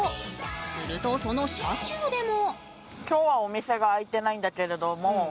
すると、その車中でも。